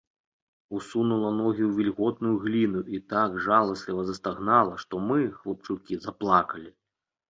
Усунула ногі ў вільготную гліну і так жаласліва застагнала, што мы, хлапчукі, заплакалі.